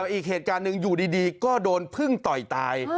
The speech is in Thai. อีกเหตุการณ์หนึ่งอยู่ดีก็โดนพึ่งต่อยตาย